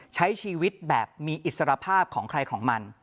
ใช้ชีวิตแบบมีอิสรภาพของใครของมัน